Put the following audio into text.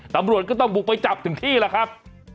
ตำรวจก็ต้องบุกไปจับถึงที่แหละครับ